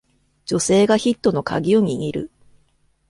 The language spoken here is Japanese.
女性がヒットのカギを握る